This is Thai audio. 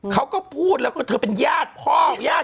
เค้าก็พูดแล้วก็ทูเป็นหญ้าพ่อหญ้าแม่